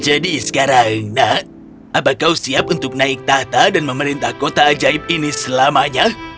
jadi sekarang nak apakah kau siap untuk naik tahta dan memerintah kota ajaib ini selamanya